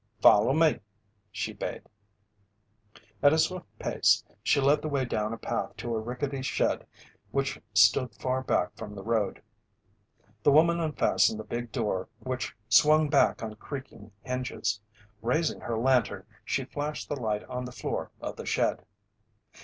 "Follow me," she bade. At a swift pace, she led the way down a path to a rickety shed which stood far back from the road. The woman unfastened the big door which swung back on creaking hinges. Raising her lantern, she flashed the light on the floor of the shed.